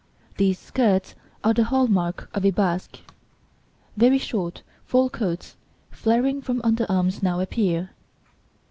These skirts are the hall mark of a basque. Very short, full coats flaring from under arms now appear.